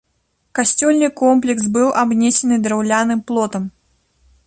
Касцёльны комплекс быў абнесены драўляным плотам.